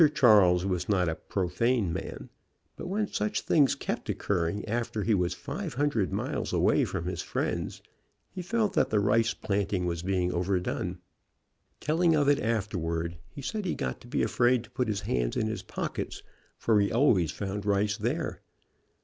Charles was not a pro fane man, but when such things kept occurring after he was five hundred miles away from his friends, he felt that the rice planting was being overdone. Telling of it afterward, he said he got to be afraid to put his hands in his pockets for he always found rice there.